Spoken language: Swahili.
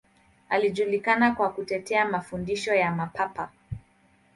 Alijulikana kwa kutetea mafundisho ya Mapapa.